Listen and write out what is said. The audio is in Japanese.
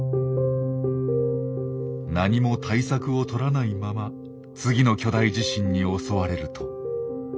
何も対策を取らないまま次の巨大地震に襲われると。